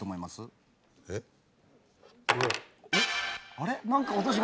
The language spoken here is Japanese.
えっ？